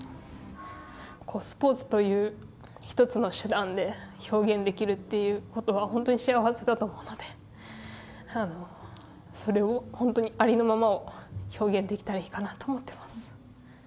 スポーツという一つの手段で表現できるっていうことは、本当に幸せだと思うので、それを本当にありのままを表現できたらいいかなと思ってます。